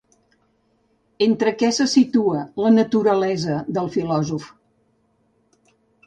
Entre què se situa, la naturalesa del filòsof?